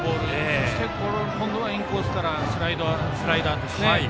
そして今度はインコースからスライダーですね。